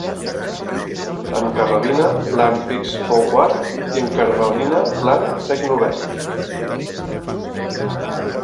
En carrabina, blanc fix fou quart i en carrabina, blanc cec novè.